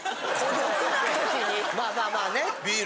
まあまあまあね。